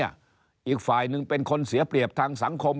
อีกฝ่ายหนึ่งเป็นคนเสียเปรียบทางสังคม